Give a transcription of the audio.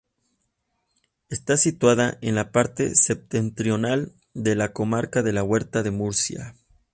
Está situada en la parte septentrional de la comarca de la Huerta de Murcia.